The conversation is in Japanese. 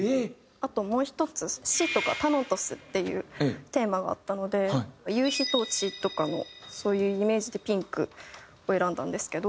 あともう一つ「死」とか「タナトス」っていうテーマがあったので「夕日」と「血」とかのそういうイメージでピンクを選んだんですけど。